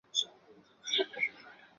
缆车分成两段